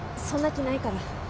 そんな気ないから。